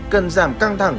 cần giảm căng thẳng